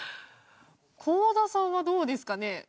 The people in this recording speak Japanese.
香田さんはどうですかね？